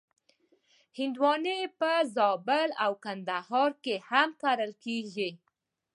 هندوانه په زابل او کندهار کې هم کرل کېږي.